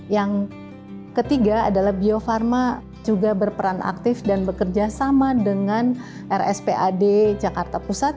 yang ketiga adalah bio farma juga berperan aktif dan bekerja sama dengan rspad jakarta pusat